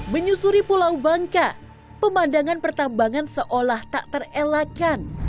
menyusuri pulau bangka pemandangan pertambangan seolah tak terelakkan